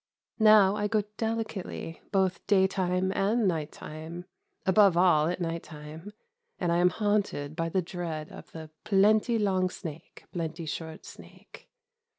Now I go delicately, both "daytime" and "night time," above all at night time, and I am haunted by the dread of the "plenty long snake, plenty short snake."